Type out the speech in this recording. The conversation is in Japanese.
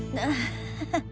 ハハハ。